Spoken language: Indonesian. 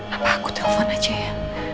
apa aku telpon aja ya